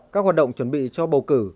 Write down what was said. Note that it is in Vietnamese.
các hoạt động chuẩn bị cho bầu cử